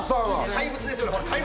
怪物ですよね？